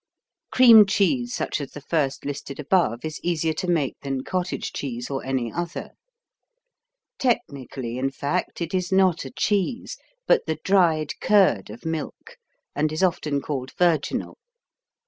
Cream cheese such as the first listed above is easier to make than cottage cheese or any other. Technically, in fact, it is not a cheese but the dried curd of milk and is often called virginal.